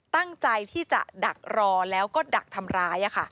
ตั้งใจที่จะดักรอแล้วก็ดักทำร้าย